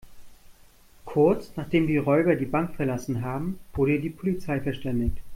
Kurz, nachdem die Räuber die Bank verlassen haben, wurde die Polizei verständigt.